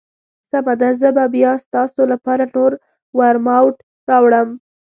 سمه ده، زه به بیا ستاسو لپاره نور ورماوټ راوړم.